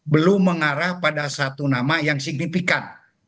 belum mengarah pada satu nama yang signifikan